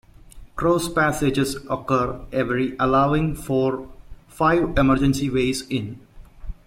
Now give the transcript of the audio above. Cross-passages occur every allowing for five emergency ways in.